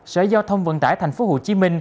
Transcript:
sở giao thông vận tải tp hcm